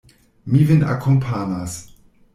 Mi vin akompanas.